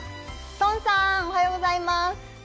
孫さん、おはようございます。